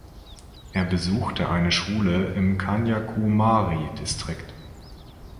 Er besuchte eine Schule im Kanyakumari-Distrikt.